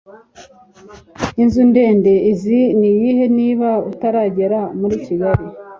Inzu ndende uzi ni iyihe niba utaragera muri Kigali?